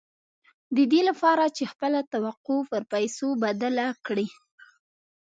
د دې لپاره چې خپله توقع پر پيسو بدله کړئ.